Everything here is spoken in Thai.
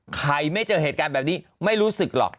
ไม่เจอเหตุการณ์แบบนี้ไม่รู้สึกหรอก